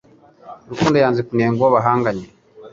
Rukundo yanze kunenga uwo bahanganye